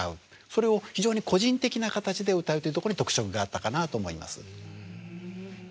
それを非常に個人的な形で歌うっていうところに特色があったかなと思います。